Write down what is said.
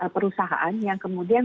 perusahaan yang kemudian